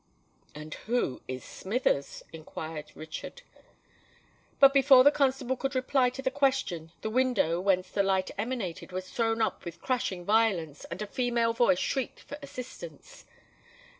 "And who is Smithers?" inquired Richard. But before the constable could reply to the question, the window, whence the light emanated, was thrown up with crashing violence, and a female voice shrieked for assistance.